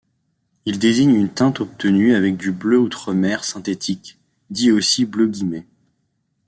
Il désigne une teinte obtenue avec du bleu outremer synthétique, dit aussi bleu Guimet.